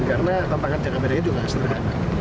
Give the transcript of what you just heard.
karena tantangan jaga pendeknya juga sangat sederhana